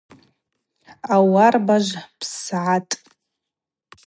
Ауарбажв пссгӏахтӏ.